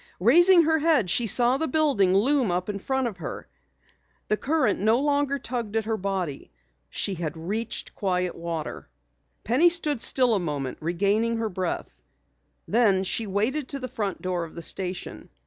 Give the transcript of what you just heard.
Raising her head, she saw the building loom up in front of her. The current no longer tugged at her body. She had reached quiet water. Penny stood still a moment, regaining her breath. Then she waded to the front door of the station.